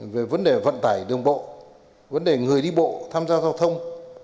về vấn đề vận tải đường bộ vấn đề người đi bộ tham gia giao thông